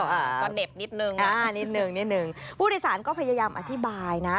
ก็เด็บนิดหนึ่งนิดหนึ่งผู้โดยสารก็พยายามอธิบายนะ